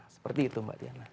seperti itu mbak diana